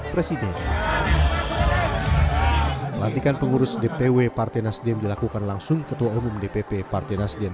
presiden pelantikan pengurus dpw partai nasdem dilakukan langsung ketua umum dpp partai nasdem